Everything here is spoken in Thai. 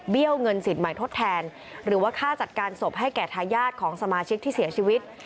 เงินสิทธิ์ใหม่ทดแทนหรือว่าค่าจัดการศพให้แก่ทายาทของสมาชิกที่เสียชีวิต